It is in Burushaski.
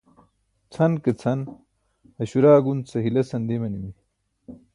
chan ke chan Aśura gunce hilesan dimanimi